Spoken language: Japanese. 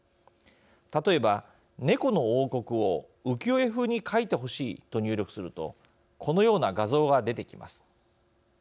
例えば、猫の王国を浮世絵風に描いてほしいと入力するとこのような画像が出てきます。